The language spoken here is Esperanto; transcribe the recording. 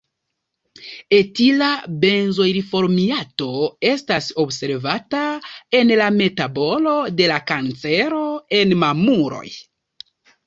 Etila benzoilformiato estas observata en la metabolo de la kancero en mamuloj.